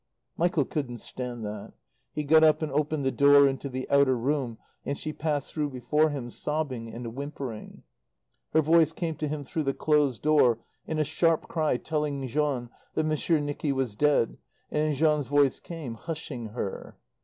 Michael couldn't stand that. He got up and opened the door into the outer room, and she passed through before him, sobbing and whimpering. Her voice came to him through the closed door in a sharp cry telling Jean that Monsieur Nicky was dead, and Jean's voice came, hushing her.